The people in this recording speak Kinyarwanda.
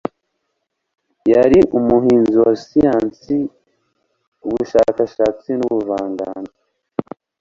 Yari umurinzi wa siyansi, ubuhanzi, ubuvanganzo